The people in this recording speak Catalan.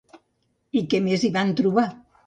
I què més hi van trobar?